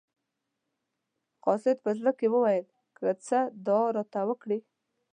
قاصد په زړه کې وویل که څه دعا راته وکړي.